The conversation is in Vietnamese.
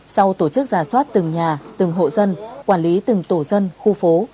sau tổ chức giả soát từng nhà từng hộ dân quản lý từng tổ dân khu phố